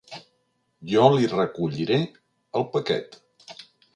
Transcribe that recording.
Jo li recolliré el paquet.